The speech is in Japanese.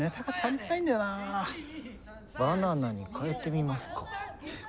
バナナに変えてみますか？